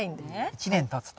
１年たつと。